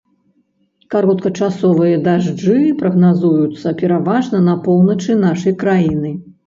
Кароткачасовыя дажджы прагназуюцца пераважна на поўначы нашай краіны.